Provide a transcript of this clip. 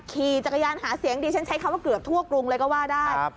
ขี่จักรยานหาเสียงดิฉันใช้คำว่าเกือบทั่วกรุงเลยก็ว่าได้